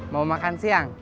mau makan siang